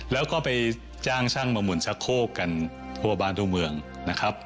แล้วก็ไปจ้างช่างมาหมุนชะโคกกันทั่วบ้านทั่วเมืองนะครับ